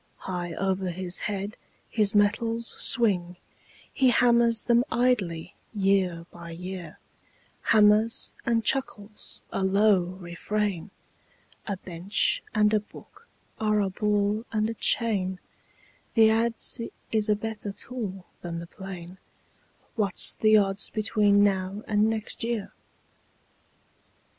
High over his head his metals swing; He hammers them idly year by year, Hammers and chuckles a low refrain: "A bench and a book are a ball and a chain, The adze is a better tool than the plane; What's the odds between now and next year?"